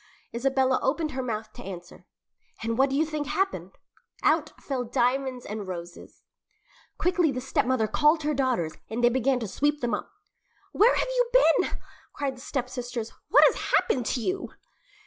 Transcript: Isabella opened her mouth to answer and what do you think happened? Out fell diamonds and roses. Quickly the stepmother called her daughters and they began to sweep them up. "Where have you been?" cried the stepsisters. "What has happened to you?"